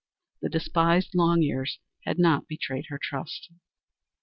The despised Long Ears had not betrayed her trust.